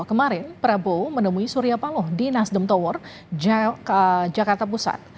kemarin prabowo menemui surya paloh di nasdem tower jakarta pusat